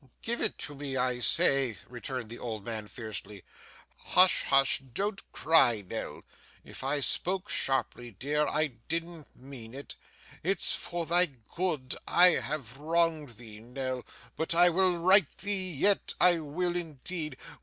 'Give it to me, I say,' returned the old man fiercely. 'Hush, hush, don't cry, Nell. If I spoke sharply, dear, I didn't mean it. It's for thy good. I have wronged thee, Nell, but I will right thee yet, I will indeed.